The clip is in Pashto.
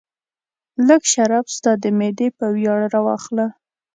لږ شراب ستا د معدې په ویاړ راواخله.